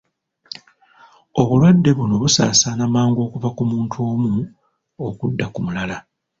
Obulwadde buno busaasaana mangu okuva ku muntu omu okudda ku mulala.